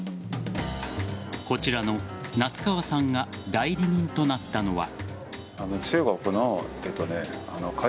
こちらの夏川さんが代理人となったのは。